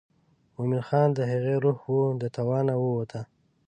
مومن خان د هغې روح و د توانه ووته.